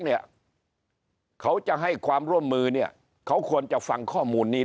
เนี่ยเขาจะให้ความร่วมมือเนี่ยเขาควรจะฟังข้อมูลนี้